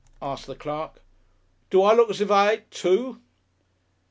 asked the clerk. "Do I look as if I'd ate two?"...